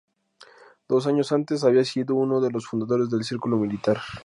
Dos años antes había sido uno de los fundadores del Círculo Militar.